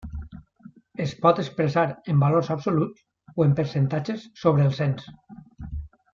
Es pot expressar en valors absoluts o en percentatges sobre el cens.